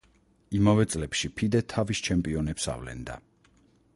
იმავე წლებში ფიდე თავის ჩემპიონებს ავლენდა.